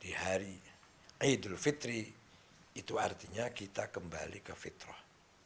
di hari idul fitri itu artinya kita kembali ke fitrah